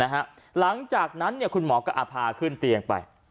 หลังจากนั้นคุณหมอก็พาขึ้นเตียงไป